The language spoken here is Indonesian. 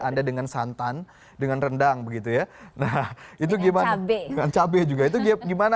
anda dengan santan dengan rendang begitu ya nah itu gimana dengan cabai juga itu gimana